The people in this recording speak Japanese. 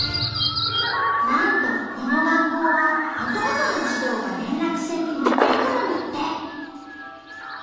なんとこの学校はほとんどの児童が連絡船に乗って来るんだって。